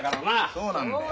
そうなんだよ。